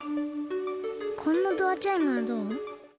こんなドアチャイムはどう？